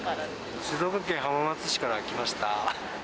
静岡県浜松市から来ました。